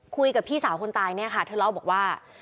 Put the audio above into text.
พี่สาวคนตายเนี่ยค่ะเธอเล่าบอกว่า